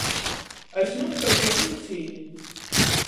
Es nūkavieju viļcīni!